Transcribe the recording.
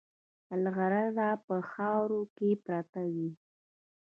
مرغلره په خاورو کې پرته وي.